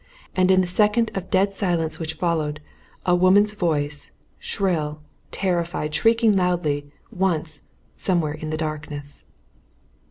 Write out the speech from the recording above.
And in the second of dead silence which followed, a woman's voice, shrill, terrified, shrieked loudly, once, somewhere in the darkness.